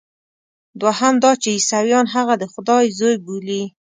دوهم دا چې عیسویان هغه د خدای زوی بولي.